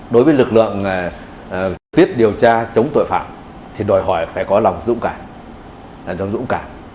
đối với lực lượng trực tiếp điều tra chống tội phạm thì đòi hỏi phải có lòng dũng cảm